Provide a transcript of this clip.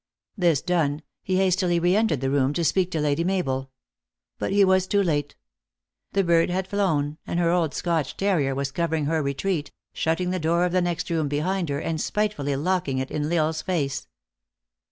This done, he hastily re entered the room to speak to Lady Mabel. But he was too late! The bird had flown, and her old Scotch terrier was covering her retreat, shutting the door of the next room behind her, and spitefully lock ing it in L Isle s face.